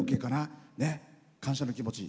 感謝の気持ち。